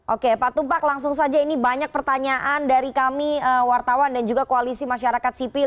oke pak tumpak langsung saja ini banyak pertanyaan dari kami wartawan dan juga koalisi masyarakat sipil